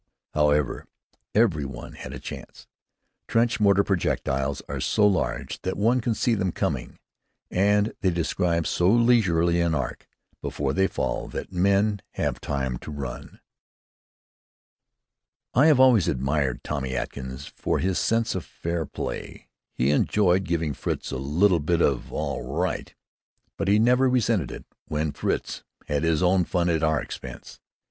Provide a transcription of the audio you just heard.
However, every one had a chance. Trench mortar projectiles are so large that one can see them coming, and they describe so leisurely an arc before they fall that men have time to run. I have always admired Tommy Atkins for his sense of fair play. He enjoyed giving Fritz "a little bit of all right," but he never resented it when Fritz had his own fun at our expense.